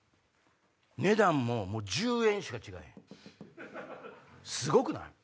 値段も１０円しか違えへんすごくない？